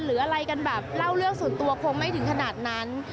หรืออะไรกันแบบเล่าเรื่องส่วนตัวคงไม่ถึงขนาดนั้น